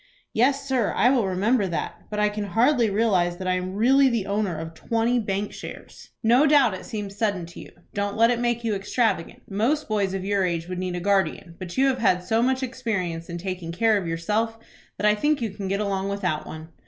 "Yes, sir; I will remember that. But I can hardly realize that I am really the owner of twenty bank shares." "No doubt it seems sudden to you. Don't let it make you extravagant. Most boys of your age would need a guardian, but you have had so much experience in taking care of yourself, that I think you can get along without one."